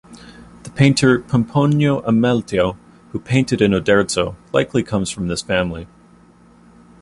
The painter Pomponio Amalteo, who painted in Oderzo, likely comes from this family.